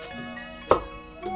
beritahu bahwa acum